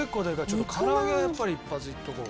ちょっと唐揚げはやっぱり一発いっとこう。